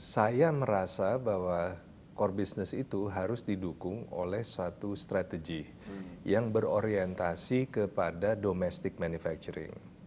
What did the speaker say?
saya merasa bahwa core business itu harus didukung oleh satu strategi yang berorientasi kepada domestic manufacturing